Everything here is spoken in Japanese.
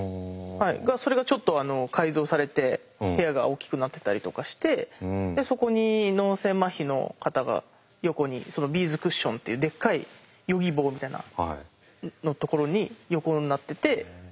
それがちょっと改造されて部屋が大きくなってたりとかしてそこに脳性まひの方が横にビーズクッションっていうでっかいヨギボーみたいなところに横になってて。